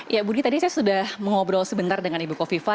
ya budi tadi saya sudah mengobrol sebentar dengan ibu kofifa